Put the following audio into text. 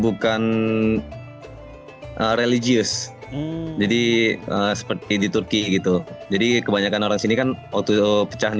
bukan sh rip jadi seperti di turki itu jadi kebanyakan orang di sini kan auto pecahan